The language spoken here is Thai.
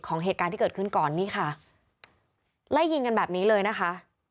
เหตุการณ์ที่เกิดขึ้นก่อนนี่ค่ะไล่ยิงกันแบบนี้เลยนะคะ